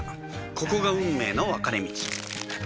ここが運命の分かれ道